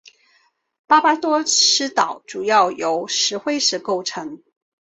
巴巴多斯岛主要由石灰石构成。